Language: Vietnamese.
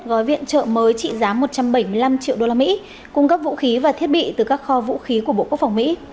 gói viện trợ mới trị giá một trăm bảy mươi năm triệu đô la mỹ cung cấp vũ khí và thiết bị từ các kho vũ khí của bộ quốc phòng mỹ